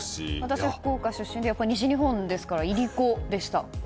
私、福岡出身で西日本ですから、いりこでした。